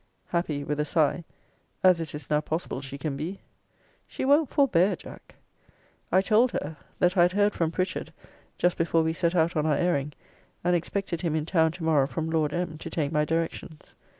Happy, with a sigh, as it is now possible she can be! She won't forbear, Jack! I told her, that I had heard from Pritchard, just before we set out on our airing, and expected him in town to morrow from Lord M. to take my directions.